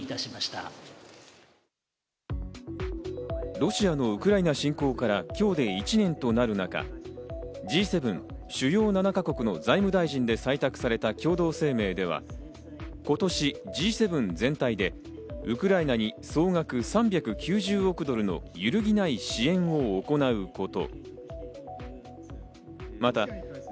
ロシアのウクライナ侵攻から今日で１年となる中、Ｇ７＝主要７か国の財務大臣会議で採択された共同声明では、今年Ｇ７全体でウクライナに総額３９０億ドルの揺るぎない支援を行うこと。